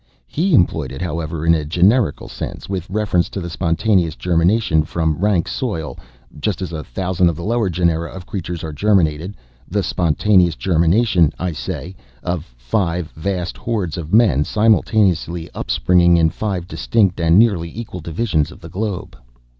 He employed it, however, in a generical sense, with reference to the spontaneous germination from rank soil (just as a thousand of the lower genera of creatures are germinated)—the spontaneous germination, I say, of five vast hordes of men, simultaneously upspringing in five distinct and nearly equal divisions of the globe."